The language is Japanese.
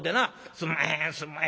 『すんまへんすんまへん』